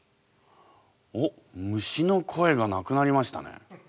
おっ「虫の声」がなくなりましたね。